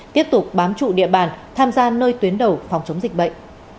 tiếp tục bám trụ địa bàn tham gia nơi tuyến đầu phòng chống dịch bệnh